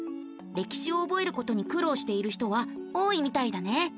歴史を覚えることに苦労している人は多いみたいだね。